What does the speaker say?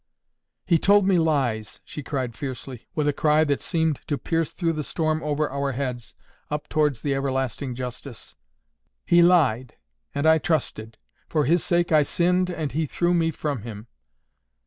"He told me lies," she cried fiercely, with a cry that seemed to pierce through the storm over our heads, up towards the everlasting justice. "He lied, and I trusted. For his sake I sinned, and he threw me from him."